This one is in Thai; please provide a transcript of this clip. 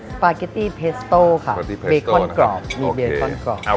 ปาเกตตี้เพสโต้ค่ะเบคอนกรอบมีเบคอนกรอบ